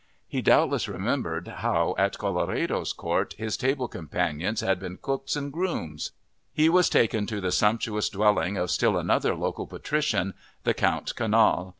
He doubtless remembered how at Colloredo's court his table companions had been cooks and grooms! He was taken to the sumptuous dwelling of still another local patrician, the Count Canal.